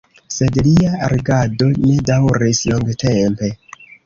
Sed lia regado ne daŭris longtempe.